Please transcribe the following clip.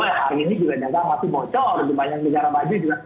banyak negara maju juga